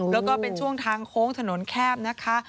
แล้วก็เป็นช่วงทางโค้งถนนแคบนะคะ